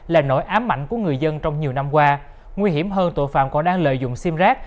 là nỗi ám ảnh của người dân trong nhiều năm qua nguy hiểm hơn tội phạm còn đang lợi dụng sim rác